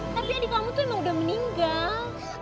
tapi adik kamu tuh emang udah meninggal